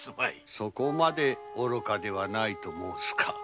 そこまで愚かではないと申すか。